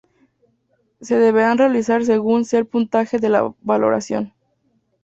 Se deberán realizar según sea el puntaje de la valoración.